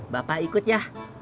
bapak ikut ya